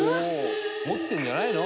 持ってるんじゃないの？